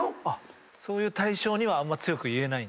そういう対象には強く言えない？